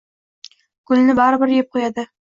gulni baribir yeb qo‘yadi.